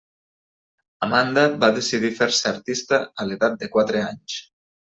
Amanda va decidir fer-se artista a l'edat de quatre anys.